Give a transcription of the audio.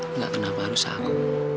enggak kenapa harus aku